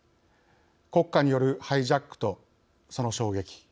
国家によるハイジャックとその衝撃。